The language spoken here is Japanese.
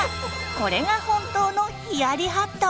これが本当の冷やりハット。